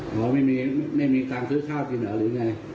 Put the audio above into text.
หรือไม่มีการซื้อกับข้าวจริงหรือ